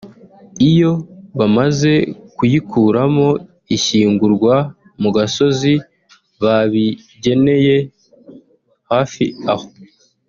iyo bamaze kuyikuramo ishyingurwa ku gasozi babigeneye hafi aho